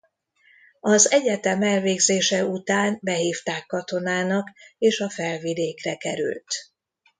Az egyetem elvégzése után behívták katonának és a felvidékre került.